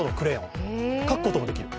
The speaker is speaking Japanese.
描くことができる。